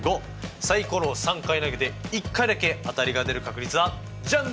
サイコロを３回投げて１回だけ当たりが出る確率はジャン！